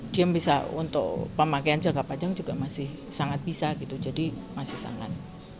dia untuk pemakaian jangka panjang juga masih sangat bisa jadi masih sangat